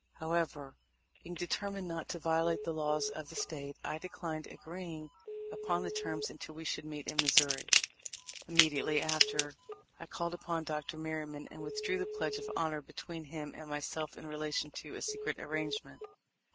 However, being determined not to violate the laws of the State, I declined agreeing upon the terms until we should meet in Missouri. Immediately after, I called upon Dr. Merryman and withdrew the pledge of honor be tween him and myself in relation to a secret arrange ment.